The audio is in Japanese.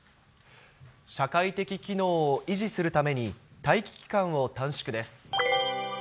社会的機能を維持するために、待機期間を短縮です。